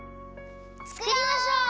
つくりましょう！